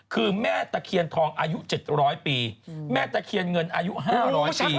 คือแม่ตะเคียนทองอายุ๗๐๐ปีแม่ตะเคียนเงินอายุ๕๐๐ปี